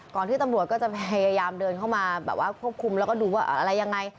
ที่ตำรวจก็จะพยายามเดินเข้ามาแบบว่าควบคุมแล้วก็ดูว่าอะไรยังไง